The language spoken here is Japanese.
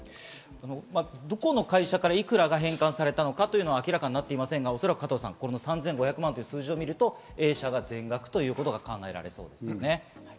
向こうの会社からいくらが返還されたのか明らかになっていませんが、おそらく３５００万という数字を見るとＡ社が全額ということが考えられそうです。